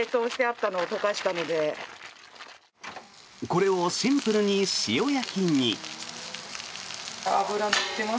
これをシンプルに塩焼きに。